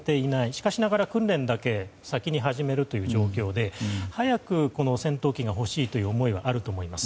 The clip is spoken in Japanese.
しかしながら訓練だけ先に始めるという状況で早く戦闘機が欲しいという思いはあると思います。